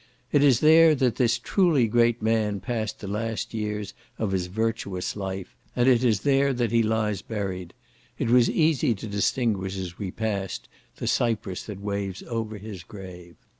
It is there that this truly great man passed the last years of his virtuous life, and it is there that he lies buried: it was easy to distinguish, as we passed, the cypress that waves over his grave.